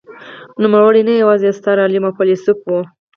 نوموړی نه یوازې ستر عالم او فیلسوف و.